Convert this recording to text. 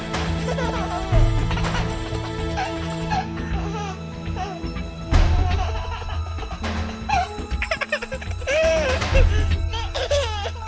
masih orang manak